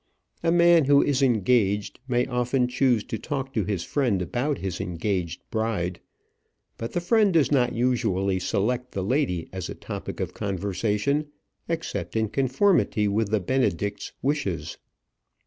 A man who is engaged may often choose to talk to his friend about his engaged bride; but the friend does not usually select the lady as a topic of conversation except in conformity with the Benedict's wishes.